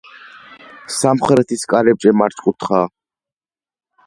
სამხრეთის კარიბჭე მართკუთხაა.